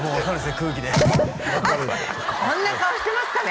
空気でこんな顔してますかね？